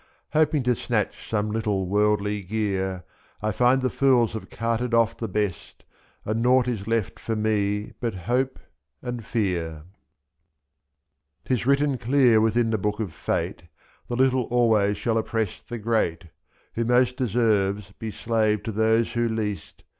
Hoping to snatch some little worldly gear, f^6". I find the fools have carted off the best. And nought is left for me but — hope and fear. 'Tis written clear within the Book of Fate, The little always shall oppress the great, I'jb' Who most deserves be slave to those who least.